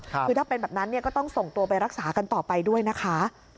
คือถ้าเป็นแบบนั้นเนี่ยก็ต้องส่งตัวไปรักษากันต่อไปด้วยนะคะ